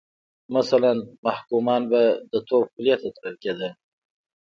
مثلا محکومان به د توپ خولې ته تړل کېدل.